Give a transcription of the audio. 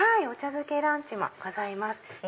お茶漬けランチもございます。